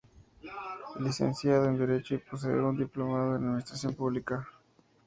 Es licenciado en derecho y posee un diplomado en Administración Pública.